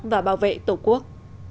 và bảo vệ tổ quốc